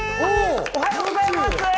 おはようございます。